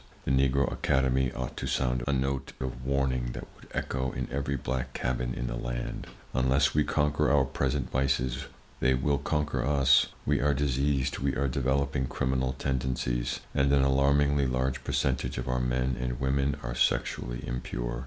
The Negro Academy ought to sound a note of warning that would echo in every black cabin in the land: Unless we conquer our present vices they will conquer us; we are diseased, we are developing criminal tendencies, and an alarmingly large percentage of our men and women are sexually impure.